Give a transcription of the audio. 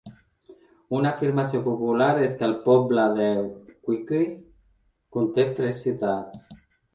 Una afirmació popular és que el poble de Whitwick conté tres "ciutats".